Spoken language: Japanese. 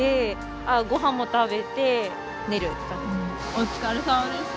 お疲れさまでした。